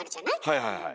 はいはいはい。